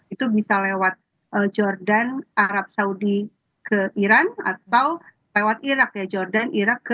itu bisa lewat jordan arab saudi ke iran atau lewat irak ya jordan irak ke